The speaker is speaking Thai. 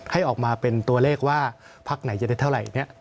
ให้ออกมาเป็นตัวเลขว่าพักไหนจะได้เท่าไหร่